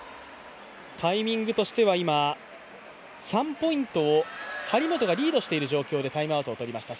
タイミングとしては今、３ポイントを張本がリードしている状況でタイムアウトを取りました。